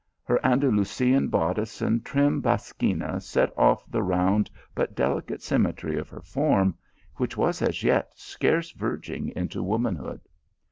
Her Andalusian bodice and trim basquina set off the round but delicate symmetry of her form, which was as yet scarce verging into womanhood.